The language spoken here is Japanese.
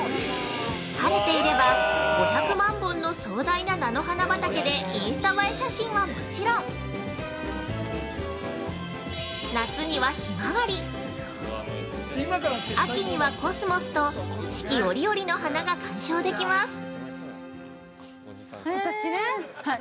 晴れていれば５００万本の壮大な菜の花畑でインスタ映え写真はもちろん夏には、ひまわり、秋にはコスモスと四季折々の花が鑑賞できます。